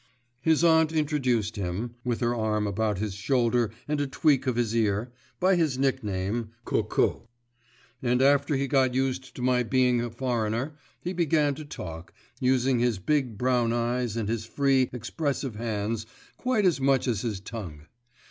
His aunt introduced him (with her arm about his shoulder and a tweak of his ear) by his nickname, "Coco"; and, after he got used to my being a foreigner, he began to talk, using his big brown eyes and his free, expressive hands quite as much as his tongue.